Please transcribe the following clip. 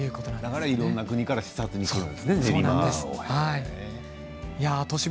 だからいろんな国から視察に来るんですね、練馬に。